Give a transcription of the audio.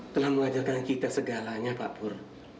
telah mengajarkan kita segalanya pak pur